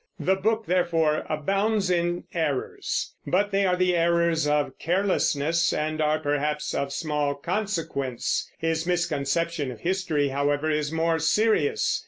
The book, therefore, abounds in errors; but they are the errors of carelessness and are perhaps of small consequence. His misconception of history, however, is more serious.